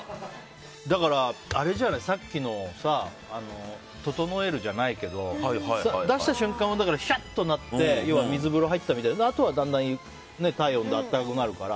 だから、さっきのととえるじゃないけど出した瞬間はヒヤッとなって要は水風呂入ったみたいになってあとは体温で暖かくなるから。